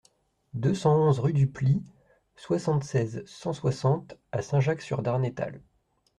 deux cent onze rue du Plis, soixante-seize, cent soixante à Saint-Jacques-sur-Darnétal